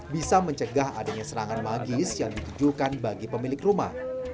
bisa mencegah adanya serangan magis yang ditujukan bagi pemilik rumah